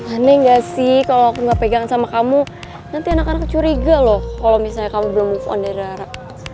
aneh gak sih kalau aku nggak pegang sama kamu nanti anak anak curiga loh kalau misalnya kamu belum move on the rak